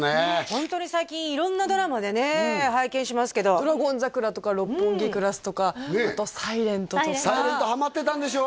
ホントに最近色んなドラマでね拝見しますけど「ドラゴン桜」とか「六本木クラス」とかあと「ｓｉｌｅｎｔ」とか「ｓｉｌｅｎｔ」ハマってたんでしょ？